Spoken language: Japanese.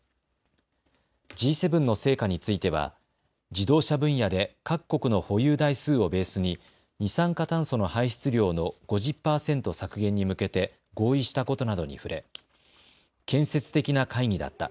Ｇ７の成果については自動車分野で各国の保有台数をベースに二酸化炭素の排出量の５０％削減に向けて合意したことなどに触れ建設的な会議だった。